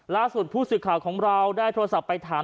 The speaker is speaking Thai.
ล่าสุดผู้สื่อข่าวของเราได้โทรศัพท์ไปถาม